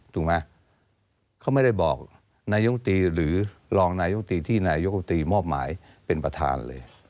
ถูกไหมเขาไม่ได้บอกนายกตรีหรือรองนายุตรีที่นายกรรมตรีมอบหมายเป็นประธานเลย